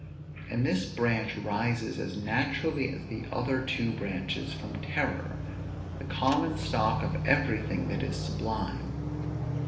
And this branch rises, as naturally as the other two branches, from terror, the common stock of everything that is sublime.